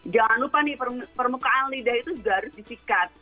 jangan lupa nih permukaan lidah itu harus disikapkan